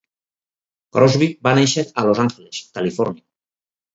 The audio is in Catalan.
Crosby va néixer a Los Angeles, Califòrnia.